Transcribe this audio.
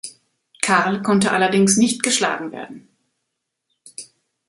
Karl konnte allerdings nicht geschlagen werden.